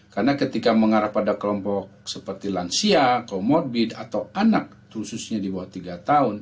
karena ketika mengarah pada kelompok seperti lansia komorbid atau anak khususnya di bawah tiga tahun